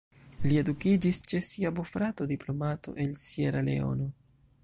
Li edukiĝis ĉe sia bofrato, diplomato el Sieraleono.